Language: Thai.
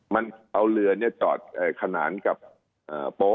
มันเอาเรือจอดขนานกับโป๊